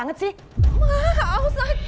keterlaluan banget sih